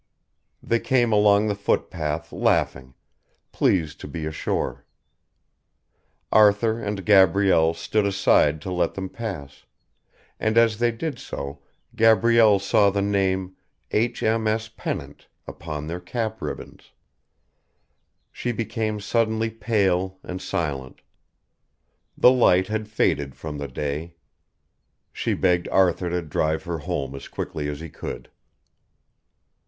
They came along the footpath laughing, pleased to be ashore. Arthur and Gabrielle stood aside to let them pass, and as they did so Gabrielle saw the name H.M.S. Pennant upon their cap ribbons. She became suddenly pale and silent. The light had faded from the day. She begged Arthur to drive her home as quickly as he could.